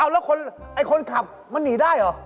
เอาแล้วคนไอ้คนขับมันหนีได้หรอ